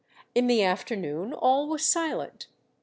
In the afternoon all was silent.